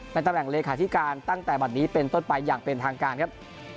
ตำแหน่งเลขาธิการตั้งแต่บัตรนี้เป็นต้นไปอย่างเป็นทางการครับ